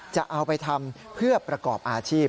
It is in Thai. จะเอาไปทำเพื่อประกอบอาชีพ